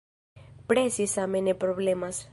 Presi same ne problemas.